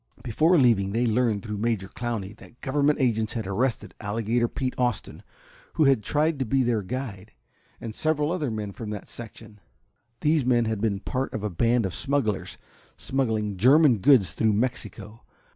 Before leaving they learned through Major Clowney that government agents had arrested Alligator Pete Austen, who had tried to be their guide, and several other men from that section. These men had been part of a band of smugglers, smuggling German goods through Mexico.